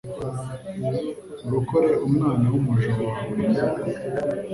urokore umwana w’umuja wawe